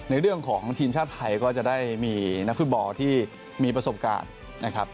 ในเรื่องของทีมชาติไทยก็จะได้มีนักฟุตบอลที่มีประสบการณ์นะครับ